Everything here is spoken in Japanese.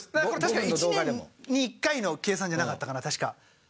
これ確か１年に一回の計算じゃなかったかな確か。